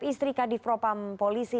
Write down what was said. istri kadif propam polisi